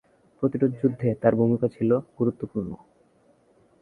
প্রতিরোধযুদ্ধে তার ভূমিকা ছিল গুরুত্বপূর্ণ।